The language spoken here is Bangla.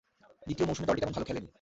দ্বিতীয় মৌসুমে দলটি তেমন ভালো খেলেনি।